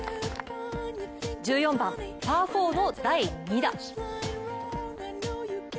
１４番、パー４の第２打。